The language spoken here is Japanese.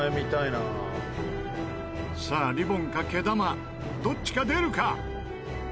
さあリボンか毛玉どっちか出るか？